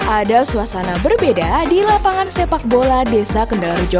ada suasana berbeda di lapangan sepak bola desa kendala rejo